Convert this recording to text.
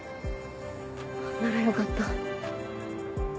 ならよかった。